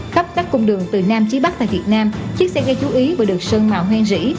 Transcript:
khắp các cung đường từ nam chí bắc và việt nam chiếc xe gây chú ý vừa được sơn mạo hoang dĩ